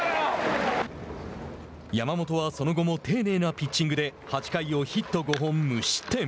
山本はその後も丁寧なピッチングで８回をヒット５本無失点。